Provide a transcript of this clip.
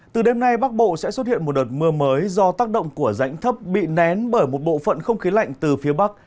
từ đêm nay bắc bộ sẽ xuất hiện một đợt mưa mới do tác động của rãnh thấp bị nén bởi một bộ phận không khí lạnh từ phía bắc